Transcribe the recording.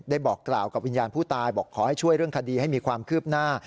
บอกกล่าวกับวิญญาณผู้ตายบอกขอให้ช่วยเรื่องคดีให้มีความคืบหน้า